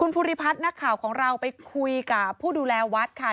ภูริพัฒน์นักข่าวของเราไปคุยกับผู้ดูแลวัดค่ะ